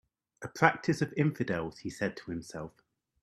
"A practice of infidels," he said to himself.